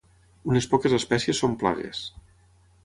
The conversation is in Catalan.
Unes poques espècies són plagues.